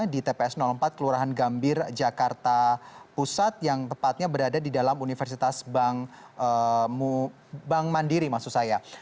di tps empat kelurahan gambir jakarta pusat yang tepatnya berada di dalam universitas bank mandiri maksud saya